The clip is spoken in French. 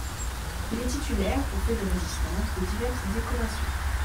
Il est titulaire, pour faits de résistance, de diverses décorations.